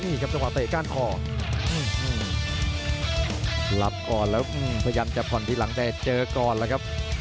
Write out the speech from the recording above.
นี่จังหวะเตะก้านคอรับก่อนแล้วพยายามจับผ่อนที่หลังแต่เจอก่อนแล้ว